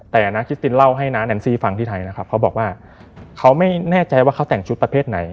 แต่น้าคิสตินเล่าให้น้าแอนซี่ฟังที่ไทยนะครับเขาบอกว่าเขาไม่แน่ใจว่าเขาแต่งชุดประเภทไหน